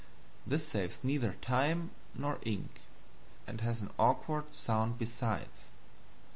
This saves neither time nor ink, and has an awkward sound besides.